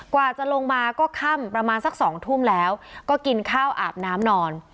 กว่าจะลงมาก็ค่ำประมาณสัก๒ทุ่มแล้วก็กินข้าวอาบน้ำนอน